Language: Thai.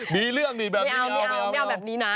มีเรื่องดิแบบนี้ไม่เอาไม่เอาแบบนี้นะ